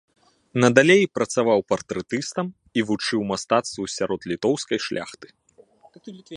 Надалей працаваў партрэтыстам і вучыў мастацтву сярод літоўскай шляхты.